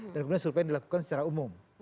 dan kemudian survey yang dilakukan secara umum